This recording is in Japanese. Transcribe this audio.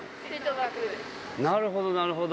なるほどなるほど。